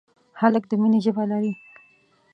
هلک د مینې ژبه لري.